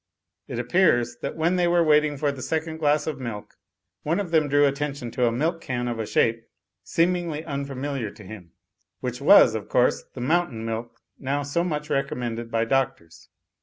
It appears that when they were waiting for the second glass of milk, one of them drew attention to a milk can of a shape seemingly unfamiliar to him, which was, of course, the Mountain Milk now so much recommended by doctors.